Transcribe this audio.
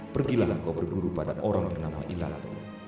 pergilah kau berguru pada orang bernama ilalat